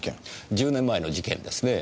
１０年前の事件ですねぇ。